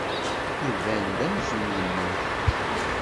Iban-d amzun yemmut.